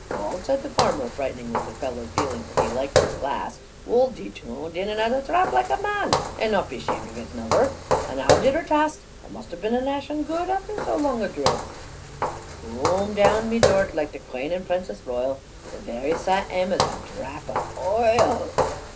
"Wull," said the farmer, brightening with fellow feeling, for he liked his glass, "Wull, thee toorned in and had a drap, laike a man, and not be shamed of it nother. And how did her tast? A must have been nation good, after so long a drouth!" "Coom'd down my drort, like the Quane and Princess Royal, The very sa am as a drap of oi al!"